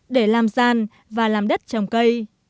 để làm gian và làm đất trồng cây